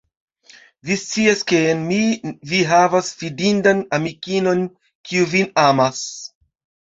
Vi scias, ke en mi vi havas fidindan amikinon, kiu vin amas.